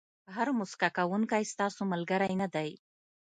هر موسکا کوونکی ستاسو ملګری نه دی.